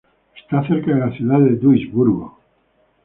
Está cerca de la ciudad de Duisburgo.